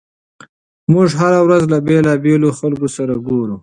موږ هره ورځ له بېلابېلو خلکو سره ګورو.